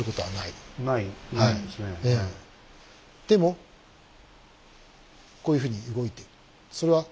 でもこういうふうに動いてる。